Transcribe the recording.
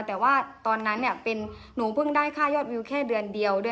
แต่ว่าตอนนั้นหนูเพิ่งได้ค่ายอดวิวแค่เดือนเดียว